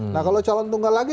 nah kalau calon tunggal lagi